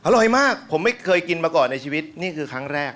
อร่อยมากผมไม่เคยกินมาก่อนในชีวิตนี่คือครั้งแรก